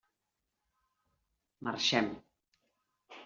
Marxem.